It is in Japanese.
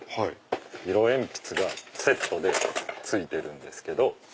色鉛筆がセットで付いてるんですけど。